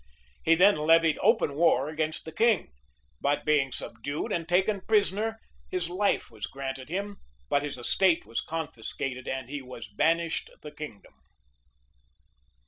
He then levied open war against the king; but being subdued and taken prisoner, his life was granted him; but his estate was confiscated, and he was banished the kingdom.